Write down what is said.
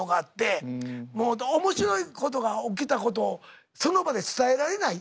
面白いことが起きたことをその場で伝えられない。